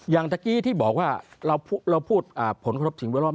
อย่างเมื่อกี้ที่บอกว่าเราพูดผลกระทบสิ่งเวลา